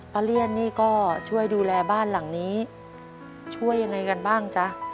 เลี่ยนนี่ก็ช่วยดูแลบ้านหลังนี้ช่วยยังไงกันบ้างจ๊ะ